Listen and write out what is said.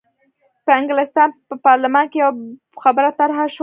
په انګلستان په پارلمان کې یوه خبره طرح شوه.